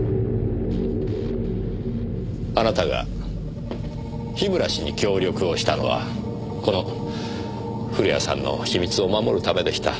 あなたが樋村氏に協力をしたのはこの古谷さんの秘密を守るためでした。